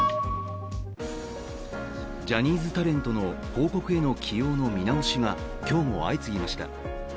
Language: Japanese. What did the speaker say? ジャニーズタレントの広告への起用の見直しが今日も相次ぎました。